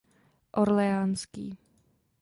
Orleánský.